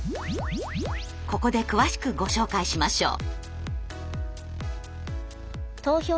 ここで詳しくご紹介しましょう。